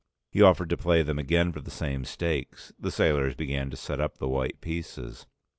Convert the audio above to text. He offered to play them again for the same stakes. The sailors began to set up the white pieces.